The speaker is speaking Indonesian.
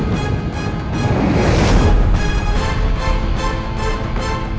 lindungilah dia ya allah